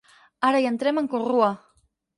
Ara hi entrem en corrua.